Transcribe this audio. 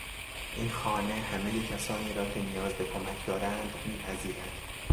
این خانه همهی کسانی را که نیاز به کمک دارند میپذیرد.